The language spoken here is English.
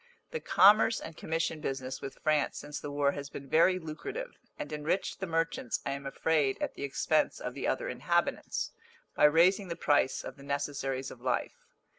The commerce and commission business with France since the war has been very lucrative, and enriched the merchants I am afraid at the expense of the other inhabitants, by raising the price of the necessaries of life.